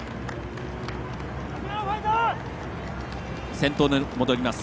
先頭に戻ります。